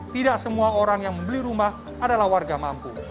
tidak semua orang yang membeli rumah adalah warga mampu